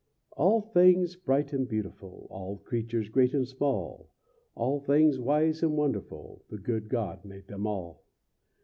"] All things bright and beautiful, All creatures great and small, All things wise and wonderful, The good God made them all.